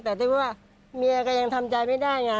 แต่ที่ว่าเมียก็ยังทำใจไม่ได้ไง